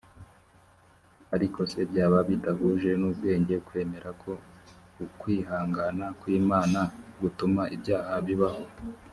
ariko se byaba bidahuje n ubwenge kwemera ko ukwihangana kw imana gutuma ibyaha bibaho